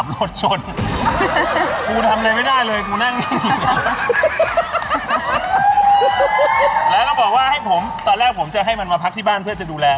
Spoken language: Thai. ตอดแรกผมจะให้มันมาพักที่บ้านเพื่อจะดูแล